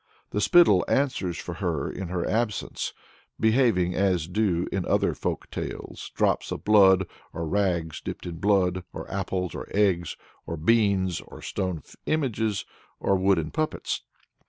The spittle answers for her in her absence, behaving as do, in other folk tales, drops of blood, or rags dipped in blood, or apples, or eggs, or beans, or stone images, or wooden puppets.